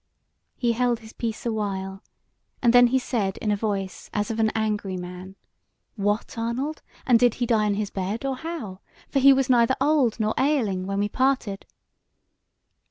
He held his peace awhile, and then he said in a voice as of an angry man: "What, Arnold! and did he die in his bed, or how? for he was neither old nor ailing when we parted."